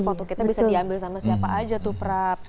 foto kita bisa diambil sama siapa aja tuh prap